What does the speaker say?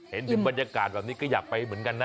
เห็นถึงบรรยากาศแบบนี้ก็อยากไปเหมือนกันนะ